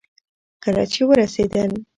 کله چې ورسېدل